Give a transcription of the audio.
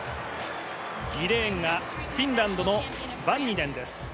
２レーンがフィンランドのバンニネンです。